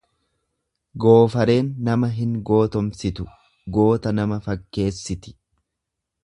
Goofareen nama hin gootomsitu goota nama fakkeessiti.